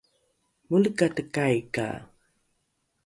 molekatekai ka